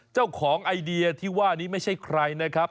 เจ้าของไอเดียที่ว่านี้ไม่ใช่ใครนะครับ